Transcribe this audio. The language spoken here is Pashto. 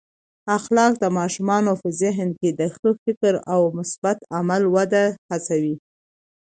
اخلاق د ماشومانو په ذهن کې د ښه فکر او مثبت عمل وده هڅوي.